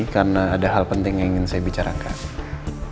karena ada hal penting yang ingin saya bicarakan